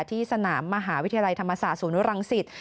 ที่สนามมหาวิทยาลัยธรรมศาสตร์ศูนย์รังสิต